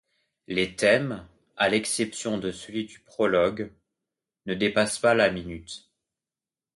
Les thèmes, à l'exception de celui du prologue, ne dépassent pas la minute.